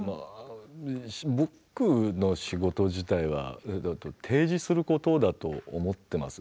僕の仕事自体は提示することだと思っています。